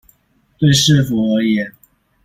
對市府而言